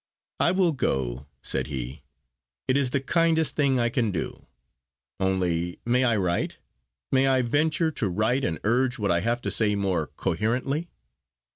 "I will go," said he. "It is the kindest thing I can do. Only, may I write? May I venture to write and urge what I have to say more coherently?"